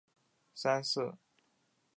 牧民们将他们统称为上海孤儿。